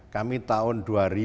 kami tahun dua ribu